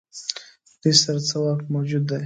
دوی سره څه واک موجود دی.